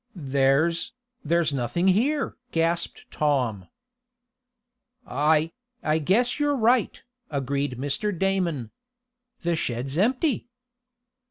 "There's there's nothing here!" gasped Tom. "I I guess you're right!" agreed Mr. Damon "The shed is empty!"